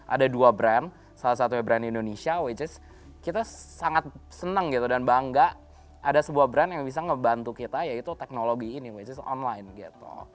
ada dua brand salah satunya brand indonesia which is kita sangat senang gitu dan bangga ada sebuah brand yang bisa ngebantu kita yaitu teknologi ini which is online gitu